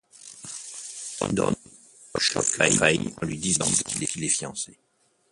Don choque Faye en lui disant qu'il est fiancé.